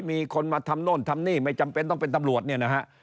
มีคนมาทำโน่นทำนี่ไม่จำเป็นต้องเป็นตำรวจเนี่ยนะฮะ